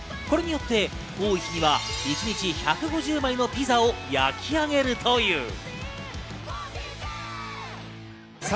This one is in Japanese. これによって多い日には一日１５０枚のピザを焼き上げるという。